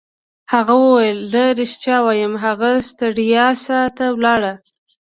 هغه وویل: زه ریښتیا وایم، هغه سټریسا ته ولاړه.